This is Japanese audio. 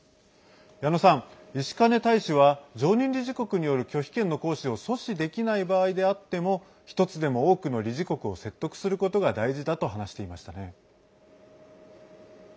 矢野さん、石兼大使は常任理事国による拒否権の行使を阻止できない場合であっても１つでも多くの理事国を説得することが大事だと話していましたね。